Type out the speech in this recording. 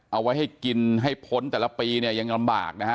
เอาไว้ให้กินให้พ้นแต่ละปีเนี่ยยังลำบากนะฮะ